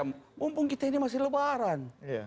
mumpung kita ini masih lebaran